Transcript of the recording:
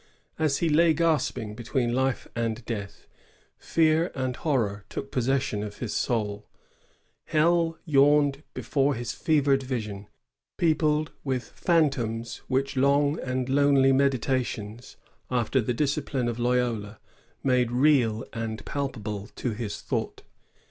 As he lay gasping between life and death, fear and horror took posses sion of his soul. Hell yawned before his fevered vision, peopled with phantoms which long and lonely meditations, after the discipline of Loyola, made real and palpable to his thought.